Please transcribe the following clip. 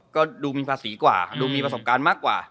ก็ดูมีภาษีกว่าดูมีประสบการณ์มากกว่า